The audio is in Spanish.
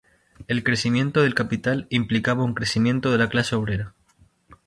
El crecimiento del capital implicaba un crecimiento de la clase obrera.